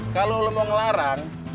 kalau lo mau ngelarang